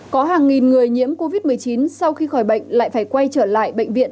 có hàng nghìn người nhiễm covid một mươi chín sau khi khỏi bệnh lại phải quay trở lại bệnh viện